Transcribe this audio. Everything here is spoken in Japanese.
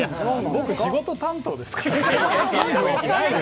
僕、仕事担当ですからね。